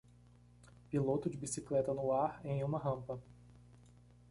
Piloto de bicicleta no ar em uma rampa